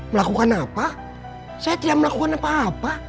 melakukan apa saya tidak melakukan apa apa